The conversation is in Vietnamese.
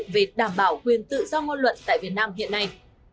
về đảm bảo quyền tự do ngôn luận tại việt nam hiện nay